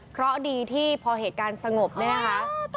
เพราะดีที่พอเหตุการณ์สงบเนี่ยนะคะ